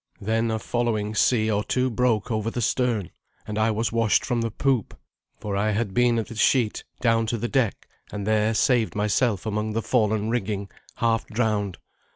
Then a following sea or two broke over the stern, and I was washed from the poop, for I had been at the sheet, down to the deck, and there saved myself among the fallen rigging, half drowned.